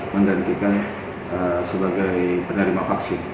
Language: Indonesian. yang jenis vaksin